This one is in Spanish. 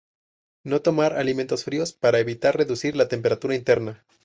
No tomar alimentos fríos, para evitar reducir la temperatura interna.